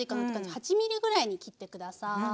８ｍｍぐらいに切ってください。